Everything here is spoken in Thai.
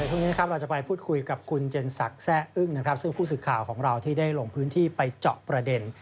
พรุ่งนี้นะครับเราจะไปพูดคุยกับคุณเจนศักดิ์แซ่อึ้งนะครับซึ่งผู้สื่อข่าวของเราที่ได้ลงพื้นที่ไปเจาะประเด็น